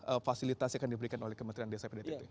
apa fasilitasi yang diberikan oleh kementerian desa pdtt